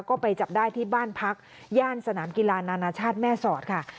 ก็ไปจับได้ที่บ้านพักย่านสนามกีฬานานาชาติแม่สอดค่ะ